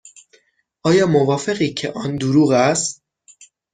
آیا موافقی که آن دروغ است؟